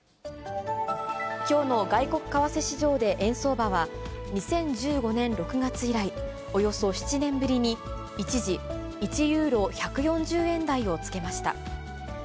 きょうの外国為替市場で円相場は、２０１５年６月以来、およそ７年ぶりに一時、１ユーロ１４０円台をつけました。